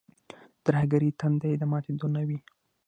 د ترهګرۍ تنده یې د ماتېدو نه وي.